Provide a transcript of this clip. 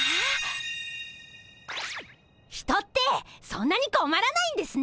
人ってそんなにこまらないんですね！